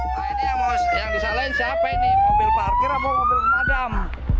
nah ini ya mos yang bisa lain siapa ini mobil parkir apa mobil madam